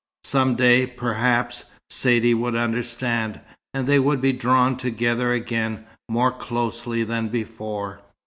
Some day, perhaps, Saidee would understand, and they would be drawn together again more closely than before.